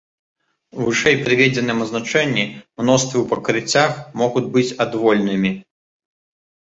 У вышэйпрыведзеным азначэнні мноствы ў пакрыццях могуць быць адвольнымі.